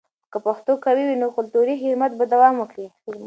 که پښتو قوي وي، نو کلتوري حرمت به دوام وکړي.